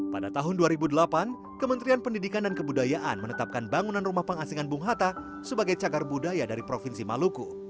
pada tahun dua ribu delapan kementerian pendidikan dan kebudayaan menetapkan bangunan rumah pengasingan bung hatta sebagai cagar budaya dari provinsi maluku